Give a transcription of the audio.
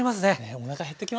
おなか減ってきますね。